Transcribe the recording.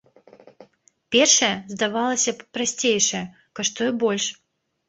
Першая, здавалася б, прасцейшая, каштуе больш.